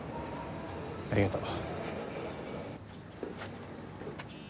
ありがとう。